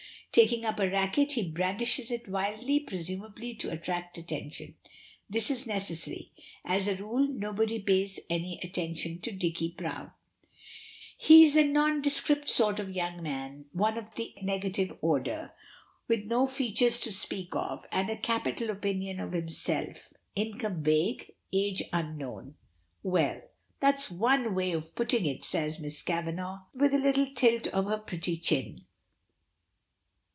Taking up a racket he brandishes it wildly, presumably to attract attention. This is necessary. As a rule nobody pays any attention to Dicky Browne. He is a nondescript sort of young man, of the negative order; with no features to speak of, and a capital opinion of himself. Income vague. Age unknown. "Well! That's one way of putting it," says Miss Kavanagh, with a little tilt of her pretty chin.